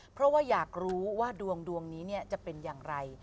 เพราะว่าอยากรู้ว่าดวงดวงนี้จะเป็นอย่างไร